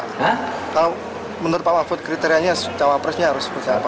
kalau menurut pak mahfud kriterianya cawapresnya harus seperti apa